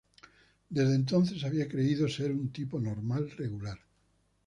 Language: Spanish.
Desde entonces, había creído ser un tipo normal, regular.